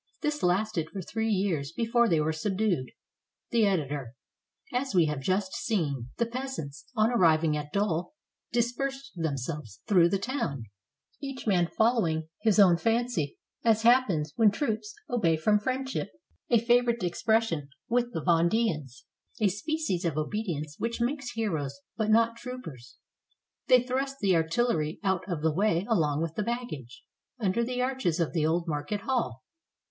This lasted for three years before they were subdued. The Editor.] As w^e have just seen, the peasants, on arriving at Dol, dispersed themselves through the town, each man fol lowing his own fancy, as happens when troops "obey from friendship," a favorite expression with the Ven deans, — a species of obedience which makes heroes but not troopers. They thrust the artillery out of the way along with the baggage, under the arches of the old market hall.